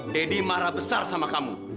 deddy marah besar sama kamu